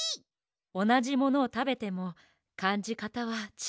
おなじものをたべてもかんじかたはちがうわね。